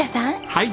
はい！